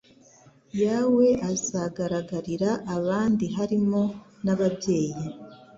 yawe azagaragarira abandi harimo n ababyeyi